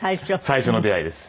最初の出会いです。